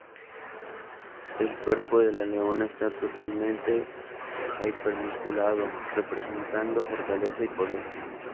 El cuerpo de la leona está totalmente hiper-musculado, representando fortaleza y poder.